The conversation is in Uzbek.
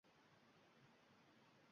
Bu ishlar hali juda ko‘pligini bildik.